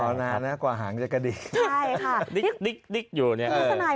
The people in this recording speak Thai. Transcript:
รอนานนะกว่าหางจะกระดิกนิดอยู่นี่เออ